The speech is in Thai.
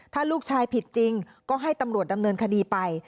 ถ้าลูกชายผิดจริงก็ให้ตำรวจดำเนินคดีไป